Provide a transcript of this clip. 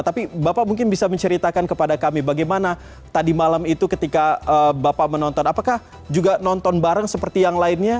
tapi bapak mungkin bisa menceritakan kepada kami bagaimana tadi malam itu ketika bapak menonton apakah juga nonton bareng seperti yang lainnya